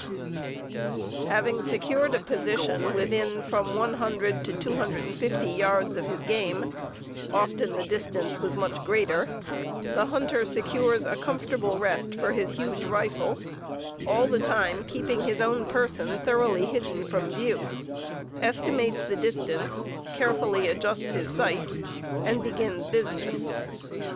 ] Having secured a position within from 100 to 250 yards of his game (often the distance was much greater), the hunter secures a comfortable rest for his huge rifle, all the time keeping his own person thoroughly hidden from view, estimates the distance, carefully adjusts his sights, and begins business.